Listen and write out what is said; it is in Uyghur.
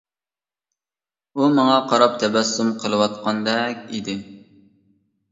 ئۇ ماڭا قاراپ تەبەسسۇم قىلىۋاتقاندەك ئىدى.